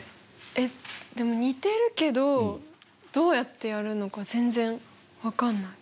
えっでも似てるけどどうやってやるのか全然わかんない。